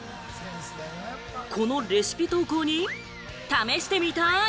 このレシピ投稿に、試してみたい！